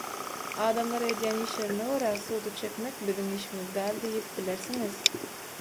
Adamlary edýän işlerine görä suda çekmek biziň işimiz däl diýip bilersiňiz.